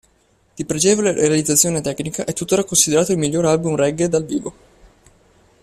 Di pregevole realizzazione tecnica, è tuttora considerato il migliore album reggae dal vivo.